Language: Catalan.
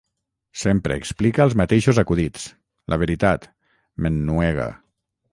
Sempre explica els mateixos acudits: la veritat, m'ennuega.